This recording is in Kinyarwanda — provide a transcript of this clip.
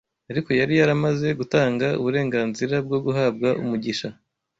Ariko yari yaramaze gutanga uburenganzira bwo guhabwa umugisha